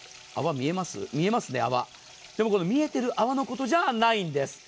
見えてる泡のことじゃないんです。